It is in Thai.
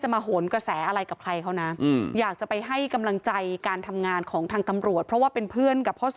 มาโหนกระแสอะไรกับใครเขานะอยากจะไปให้กำลังใจการทำงานของทางตำรวจเพราะว่าเป็นเพื่อนกับพ่อ๒